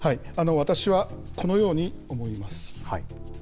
私はこのように思います。